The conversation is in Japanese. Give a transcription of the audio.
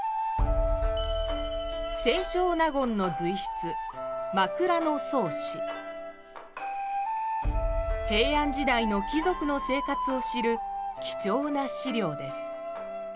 清少納言の随筆「枕草子」平安時代の貴族の生活を知る貴重な資料です。